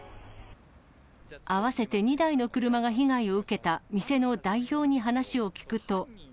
合わせて２台の車が被害を受けた店の代表に話を聞くと。